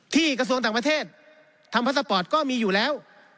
กระทรวงต่างประเทศทำพาสปอร์ตก็มีอยู่แล้ว